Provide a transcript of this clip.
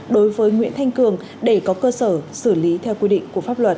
đối với nguyễn thanh cường để có cơ sở xử lý theo quy định của pháp luật